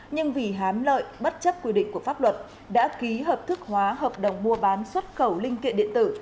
nhưng vì hám lợi bất chấp quy định của pháp luật đã ký hợp thức hóa hợp đồng mua bán xuất khẩu linh kiện điện tử